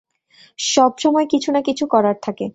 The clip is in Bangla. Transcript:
সবসময় কিছু না কিছু করার থাকে।